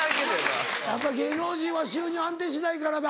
やっぱ芸能人は収入安定しないからだ。